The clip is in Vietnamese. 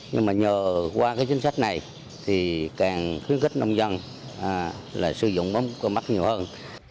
nhưng mà nhờ qua chính sách này thì càng khuyến khích nông dân sử dụng bóng compact nhiều hơn